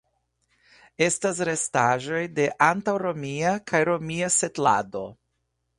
Estas restaĵoj de antaŭromia kaj romia setlado.